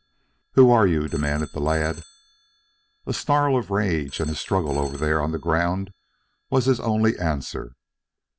"Who are you!" demanded the lad. A snarl of rage and a struggle over there on the ground was his only answer.